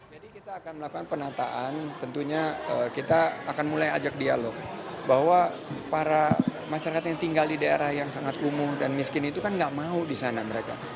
jadi kita akan melakukan penataan tentunya kita akan mulai ajak dialog bahwa para masyarakat yang tinggal di daerah yang sangat umum dan miskin itu kan gak mau disana mereka